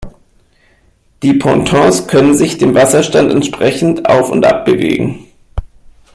Die Pontons können sich dem Wasserstand entsprechend auf und ab bewegen.